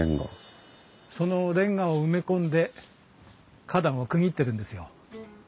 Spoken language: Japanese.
そのレンガを埋め込んで花壇を区切ってるんですよ。